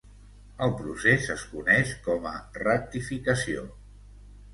El procés es coneix com a rectificació.